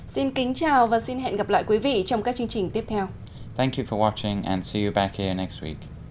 xin chào và hẹn gặp lại quý vị trong các chương trình tiếp theo